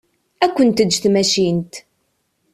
Ad kent-teǧǧ tmacint.